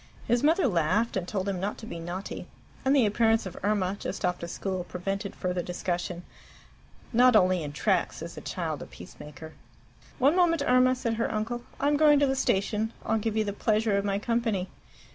His mother laughed, and told him not to be naughty; and the appearance of Irma, just off to school, prevented further discussion. Not only in Tracts is a child a peacemaker. "One moment, Irma," said her uncle. "I'm going to the station. I'll give you the pleasure of my company."